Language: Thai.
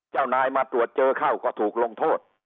เจ้านายมาตรวจเจอเข้าก็ถูกลงโทษ